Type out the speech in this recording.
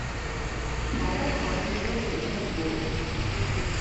可不可以都別出門